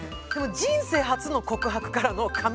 「人生初の告白」からの「髪の毛」。